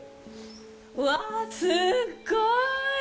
うわあ、すっごい。